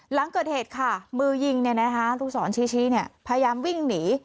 หลังเกิดเหตุค่ะมือยิงลูกศรชี้พยายามวิ่งหนี